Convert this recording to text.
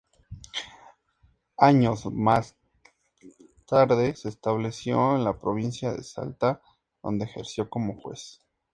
Años más tarde se estableció en la provincia de Salta, donde ejerció como juez.